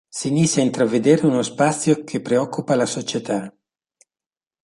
Si inizia ad intravedere uno spazio che preoccupa la società.